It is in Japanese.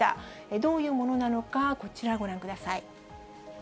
どういうものなのか、こちらご覧ください。